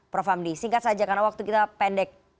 prof hamdi singkat saja karena waktu kita pendek